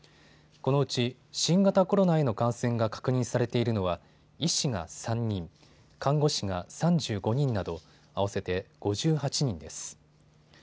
このうち新型コロナへの感染が確認されているのは医師が３人、看護師が３５人など合わせて５８人です。